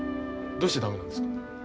どうして駄目なんですか？